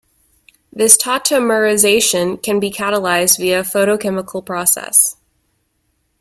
This tautomerization can be catalyzed via photochemical process.